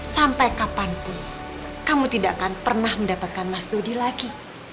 sampai kapanpun kamu tidak akan pernah mendapatkan mas studi lagi